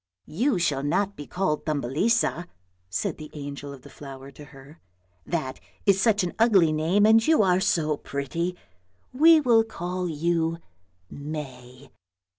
" You shall not be called Thumbelisa," said the angel of the flower to her; " that is such an ugly name, and you are so pretty. We will call you May."